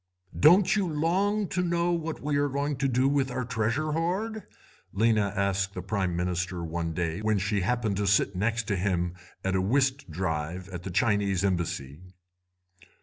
"'Don't you long to know what we are going to do with our treasure hoard?' Lena asked the Prime Minister one day when she happened to sit next to him at a whist drive at the Chinese Embassy.